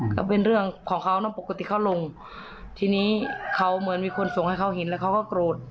ก็เป็นเรื่องของเขานะปกติเขาลงทีนี้เขาเหมือนมีคนส่งให้เขาเห็นแล้วเขาก็โกรธ